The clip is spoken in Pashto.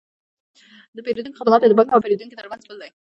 د پیرودونکو خدمتونه د بانک او پیرودونکي ترمنځ پل دی۔